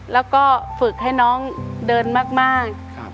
แล้วก็ฝึกให้น้องเดินมาก